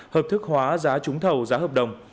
hợp thức hóa giá trúng thầu giá hợp đồng